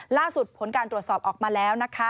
ล่าสุดผลการตรวจสอบออกมาแล้ว